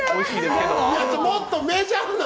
もっとメジャーな。